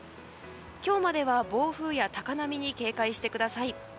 今日までは暴風や高波に警戒してください。